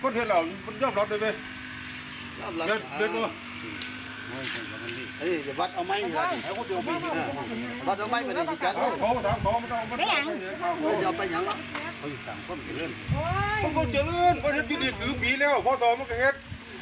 ถึงมีแล้วพ่อทรมากระเทศ